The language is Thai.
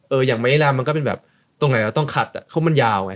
อย่างไม้นิลามมันก็เป็นแบบตรงไหนเราต้องขัดอ่ะเพราะมันยาวไง